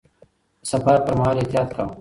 د سفر پر مهال احتياط کاوه.